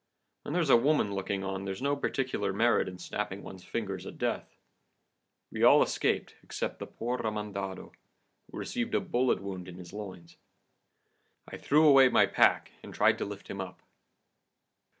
When there's a woman looking on, there's no particular merit in snapping one's fingers at death. We all escaped except the poor Remendado, who received a bullet wound in the loins. I threw away my pack and tried to lift him up.